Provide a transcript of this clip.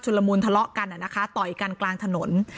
ละมุนทะเลาะกันนะคะต่อยกันกลางถนน